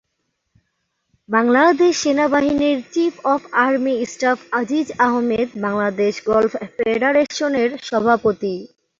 বাংলাদেশ সেনাবাহিনীর chief of army staff Aziz Ahmed Bangladesh golf ফেডারেশনের সভাপতি।